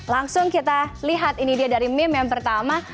langsung kita lihat ini dia dari meme yang pertama